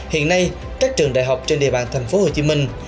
hiện nay các trường đại học trên địa bàn thành phố hồ chí minh